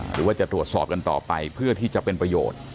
หรือว่าจะตรวจสอบกันต่อไปเพื่อที่จะเป็นประโยชน์